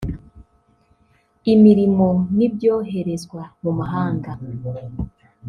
imirimo n’ibyoherezwa mu mahanga